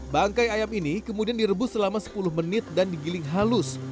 bangkai ayam ini kemudian direbus selama sepuluh menit dan digiling halus